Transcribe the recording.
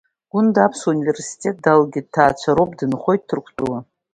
Гәында аԥсуа университет далгеит, дҭаацәароуп, дынхоит Ҭырқәтәылан.